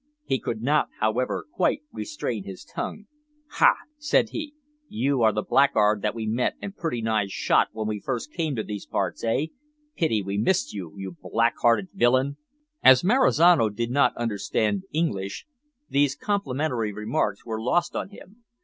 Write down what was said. He could not however, quite restrain his tongue. "Ha!" said he, "you are the blackguard that we met and pretty nigh shot when we first came to these parts, eh? Pity we missed you, you black hearted villain!" As Marizano did not understand English, these complimentary remarks were lost on him.